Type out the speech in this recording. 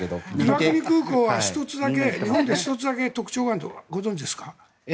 岩国空港は日本で１つだけ特徴があるのご存じですか？